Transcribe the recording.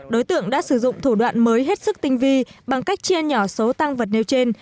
đối tượng đã sử dụng thủ đoạn mới hết sức tinh vi bằng cách chia nhỏ số tăng vật nêu trên